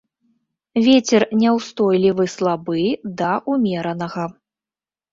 Вецер няўстойлівы слабы да ўмеранага.